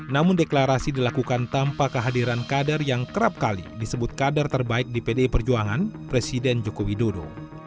namun deklarasi dilakukan tanpa kehadiran kader yang kerap kali disebut kader terbaik di pdi perjuangan presiden joko widodo